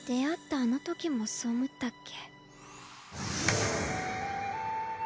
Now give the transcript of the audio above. あのときもそうおもったっけ。